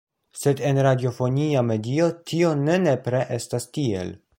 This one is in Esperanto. Sed en radiofonia medio tio ne nepre estas tiel.